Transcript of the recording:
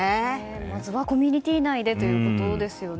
まずはコミュニティー内でということですね。